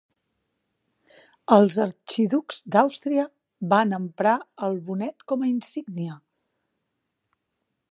Els arxiducs d'Àustria van emprar el bonet com a insígnia.